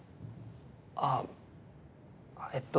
ああえっと